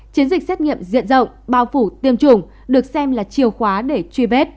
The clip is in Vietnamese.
chiến dịch xét nghiệm diện rộng bao phủ tiêm chủng được xem là chiều khóa để truy vết